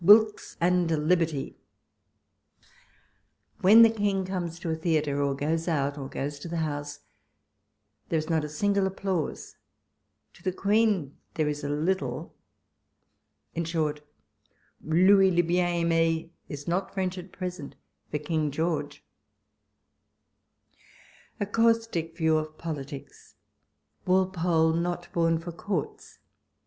Wilkes and Liberty I "' When the King comes to a theatre, or goes out, or goes to the House, there is not a single applause ; to the Queen there is a little : in short, Louis h bien aimc is not French at present for King George A CAUSTIC VIEW OF POLITICS—WALPOLE XOT BORN FOR COURTS.